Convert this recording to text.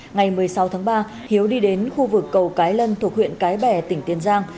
ngày một mươi sáu tháng ba hiếu đi đến khu vực cầu cái lân thuộc huyện cái bè tỉnh tiền giang